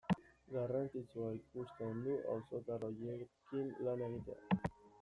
Garrantzitsua ikusten du auzotar horiekin lan egitea.